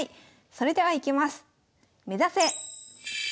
それではいきます。